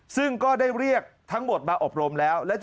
ซึ่งก็ได้เรียกทั้งหมดมาอบรมแล้ว